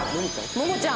ももちゃん。